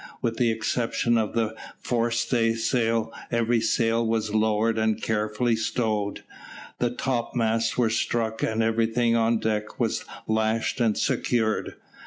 With the exception of the fore staysail every sail was lowered and carefully stowed; the topmasts were struck, and everything on deck was lashed and secured.